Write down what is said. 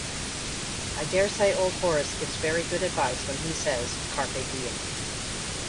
I daresay old Horace gives very good advice when he says, carpe diem.